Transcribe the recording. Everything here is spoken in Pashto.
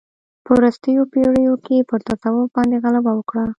په وروستیو پېړیو کې پر تصوف باندې غلبه وکړه.